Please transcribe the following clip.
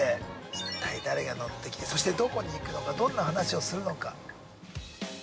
一体誰が乗ってきて、そしてどこに行くのか、どんな話をするのか。